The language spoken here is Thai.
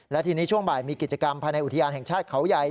และทีนี้ช่วงบ่ายมีกิจกรรมภายในอุทยานแห่งชาติเขาใหญ่